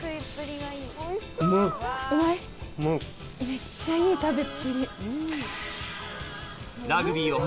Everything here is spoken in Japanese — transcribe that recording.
めっちゃいい食べっぷり。